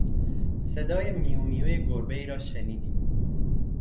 صدای میومیوی گربهای را شنیدیم.